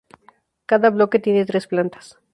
Cada bloque tiene tres plantas.